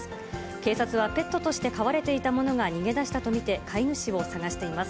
警察は、ペットとして飼われていたものが逃げ出したと見て、飼い主を探しています。